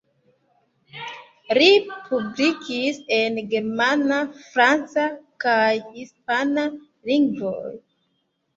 Li publikis en germana, franca kaj hispana lingvoj.